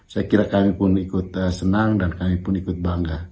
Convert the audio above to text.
saya kira kami pun ikut senang dan kami pun ikut bangga